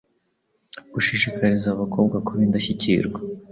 gushishikariza abakobwa kuba indashyikirwa